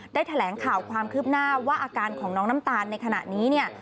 แถลงข่าวความคืบหน้าว่าอาการของน้องน้ำตาลในขณะนี้เนี่ย